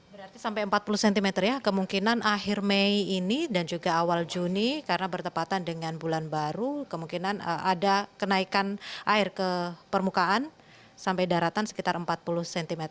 berarti sampai empat puluh cm ya kemungkinan akhir mei ini dan juga awal juni karena bertepatan dengan bulan baru kemungkinan ada kenaikan air ke permukaan sampai daratan sekitar empat puluh cm